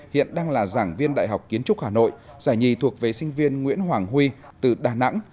hiện đang là giảng viên đại học kiến trúc hà nội giải nhì thuộc về sinh viên nguyễn hoàng huy từ đà nẵng